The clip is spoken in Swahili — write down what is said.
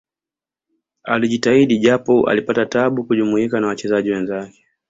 alijitahidi japo alipata tabu kujumuika na wachezaji wenzake